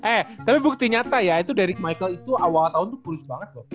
eh tapi bukti nyata ya itu dari michael itu awal tahun tuh purus banget loh